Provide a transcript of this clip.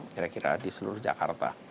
kira kira di seluruh jakarta